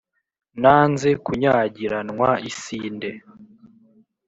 Nanze kunyagiranwa isinde,